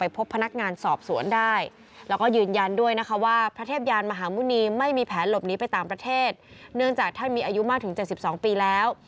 พวกนี้ไปต่างประเทศเนื่องจากท่านมีอายุมาถึง๗๒ปีแล้ว